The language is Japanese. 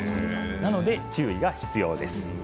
なので注意が必要です。